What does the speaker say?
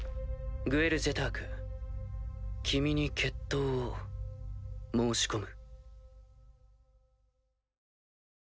グエル・ジェターク君に決闘を申し込む。